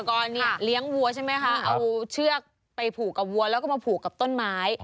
ก่อนเนี่ยเลี้ยงวัวใช่ไหมคะเอาเชือกไปผูกกับวัวแล้วก็มาผูกกับต้นไม้